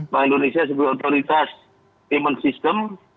bank indonesia sebagai otoritas payment system